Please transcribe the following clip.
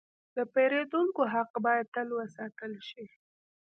د پیرودونکو حق باید تل وساتل شي.